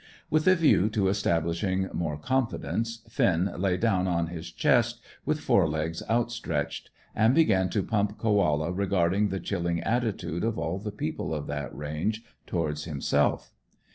With a view to establishing more confidence Finn lay down on his chest, with fore legs outstretched, and began to pump Koala regarding the chilling attitude of all the people of that range towards himself.